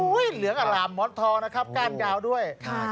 อุ๊ยเหลืองอารามม้อนทองนะครับก้านยาวด้วย